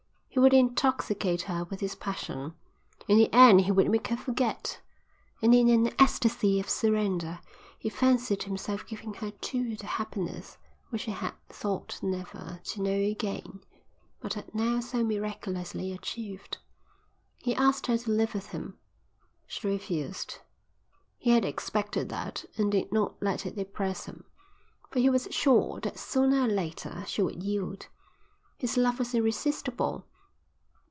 He would intoxicate her with his passion. In the end he would make her forget. And in an ecstasy of surrender he fancied himself giving her too the happiness which he had thought never to know again, but had now so miraculously achieved. He asked her to live with him. She refused. He had expected that and did not let it depress him, for he was sure that sooner or later she would yield. His love was irresistible.